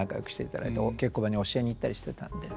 お稽古場に教えに行ったりしてたんで。